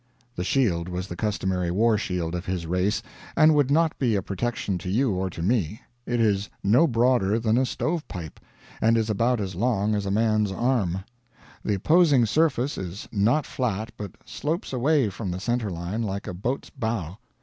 The shield was the customary war shield of his race, and would not be a protection to you or to me. It is no broader than a stovepipe, and is about as long as a man's arm. The opposing surface is not flat, but slopes away from the centerline like a boat's bow.